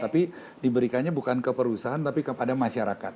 tapi diberikannya bukan ke perusahaan tapi kepada masyarakat